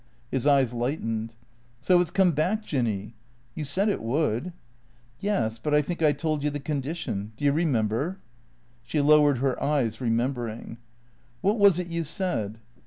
His eyes lightened. " So it 's come back. Jinny ?"" You said it would." "Yes. But I think I told you the condition. Do you re member ?"' She lowered her eyes, remembering. "What was it you said?"